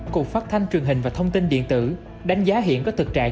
cục phát thanh truyền hình và thông tin điện tử đánh giá hiện có thực trạng